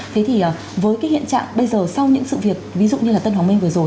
thế thì với cái hiện trạng bây giờ sau những sự việc ví dụ như là tân hoàng minh vừa rồi